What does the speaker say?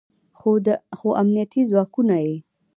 خو امنیتي ځواکونه یې